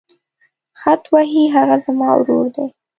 خط وهي هغه زما ورور دی.